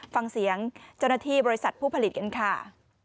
ฟังเสียงเจ้าหน้าที่บริษัทผู้ผลิตกันค่ะ